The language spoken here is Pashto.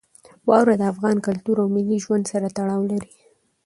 واوره د افغان کلتور او ملي ژوند سره تړاو لري.